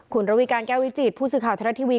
ขุนระวิการแก้วิจิตรผู้สื่อข่าวทะเลาะทีวี